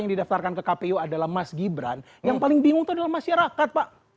yang didaftarkan ke kpu adalah mas gibran yang paling bingung itu adalah masyarakat pak